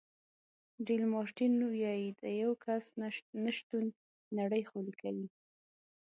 ډي لمارټین وایي د یو کس نه شتون نړۍ خالي کوي.